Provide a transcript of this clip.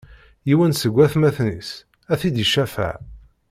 Yiwen seg watmaten-is, ad t-id-icafeɛ.